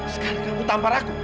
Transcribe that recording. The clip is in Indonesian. sekarang kamu tampar aku